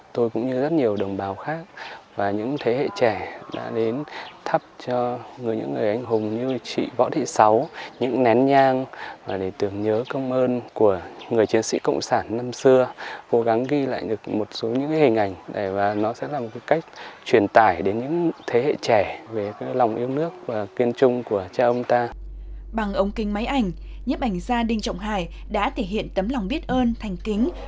trong hành trình về nguồn lần này nhiếp ảnh ra đinh trọng hải đã ghé thăm côn đảo với tấm lòng biết ơn dâng lên từng bia mộ nén tầm hương thành kính